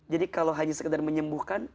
jadi kalau hanya sekedar menyembuhkan